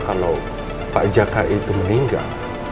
kalau pak jaka itu meninggal